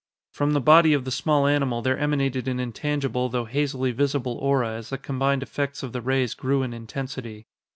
From the body of the small animal there emanated an intangible though hazily visible aura as the combined effects of the rays grew in intensity.